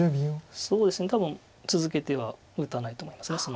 そうですね多分続けては打たないと思います